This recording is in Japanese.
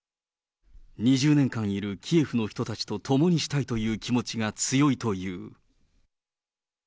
２０年間いるキエフの人たちと共にしたいという気持ちが強いという。